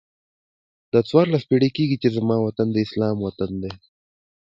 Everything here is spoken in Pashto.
دا څوارلس پیړۍ کېږي چې زما وطن د اسلام وطن دی.